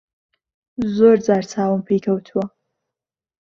زۆر جار چاوم پێی کەوتووە.